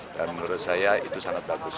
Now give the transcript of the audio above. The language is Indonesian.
dan menurut saya itu sangat bagus